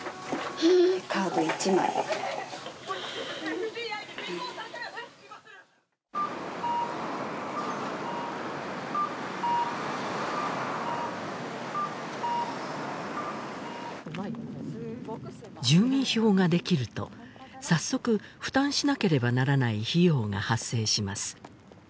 カード一枚住民票ができると早速負担しなければならない費用が発生します